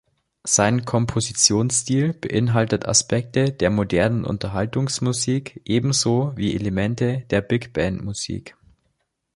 Sein Kompositionsstil beinhaltet Aspekte der modernen Unterhaltungsmusik ebenso wie Elemente der Big-Band-Musik.